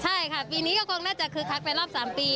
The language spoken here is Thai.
ใช่ค่ะปีนี้ก็คงน่าจะคึกคักไปรอบ๓ปี